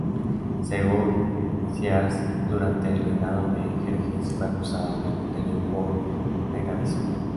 Según Ctesias, durante el reinado de Jerjes fue acusada de adulterio por Megabizo.